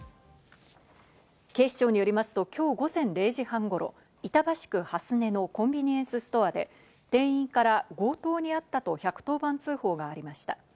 警視庁によりますと、今日午前０時半頃、板橋区蓮根のコンビニエンスストアで店員から強盗にあったと１１０番通報がありました。